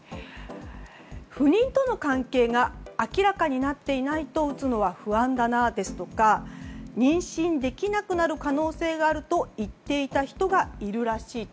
不妊との関係が明らかになっていないと打つのは不安だなですとか妊娠できなくなる可能性があると言っていた人がいるらしいと。